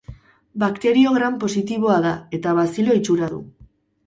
Bakterio Gram positiboa da eta bazilo itxura du.